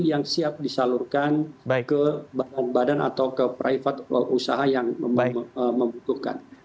yang siap disalurkan ke badan badan atau ke private usaha yang membutuhkan